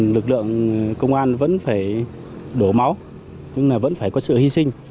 lực lượng công an vẫn phải đổ máu vẫn phải có sự hy sinh